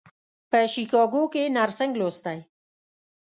په شیکاګو کې یې نرسنګ لوستی.